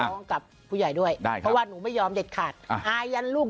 กับผู้ใหญ่ด้วยได้เพราะว่าหนูไม่ยอมเด็ดขาดอายันลูก